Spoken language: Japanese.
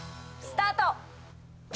スタート！